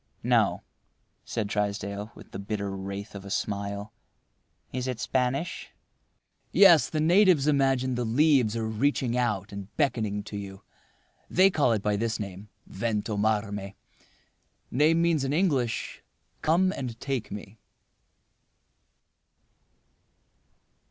"No," said Trysdale, with the bitter wraith of a smile—"Is it Spanish?" "Yes. The natives imagine the leaves are reaching out and beckoning to you. They call it by this name—Ventomarme. Name means in English, 'Come and take me.